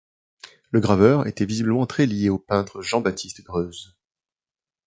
Le graveur était visiblement très lié au peintre Jean-Baptiste Greuze.